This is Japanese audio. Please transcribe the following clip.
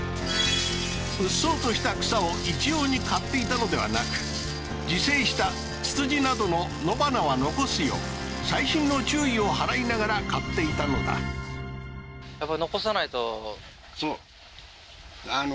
うっそうとした草を一様に刈っていたのではなく自生したツツジなどの野花は残すよう細心の注意を払いながら刈っていたのだ要するにああー